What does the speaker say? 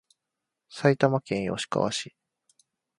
埼玉県吉川市